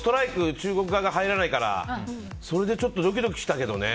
中国側が入らないからそれでちょっとドキドキしたけどね。